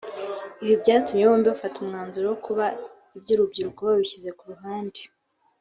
ibi byatumye bombi bafata umwanzuro wo kuba iby’urukundo babishyize ku ruhande